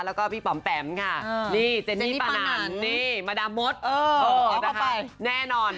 แล้วก็พี่ปำแป๋มค่ะนี่เจนี่ปะหนันนี่มาดามมดเออเอาเข้าไปแน่นอน